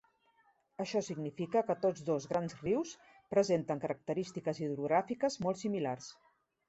Això significa que tots dos grans rius presenten característiques hidrogràfiques molt similars.